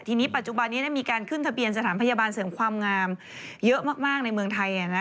ทีนี้ปัจจุบันนี้มีการขึ้นทะเบียนสถานพยาบาลเสริมความงามเยอะมากในเมืองไทย